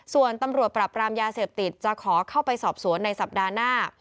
ส่วนตำรวจปรับรามยาเสพติดจะขอเข้าไปสอบสวนในสัปดาห์หน้า